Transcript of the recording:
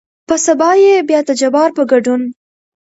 په سبا يې بيا دجبار په ګدون